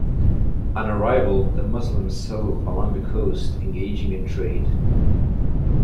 On arrival, the Muslims settled along the coast, engaging in trade.